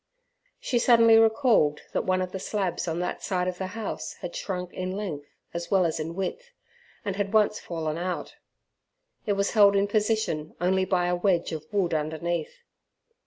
She suddenly recalled that one of the slabs on that side of the house had shrunk in length as well as in width, and had once fallen out. It was held in position only by a wedge of wood underneath.